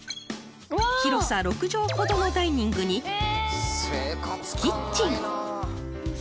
［広さ６畳ほどのダイニングにキッチン］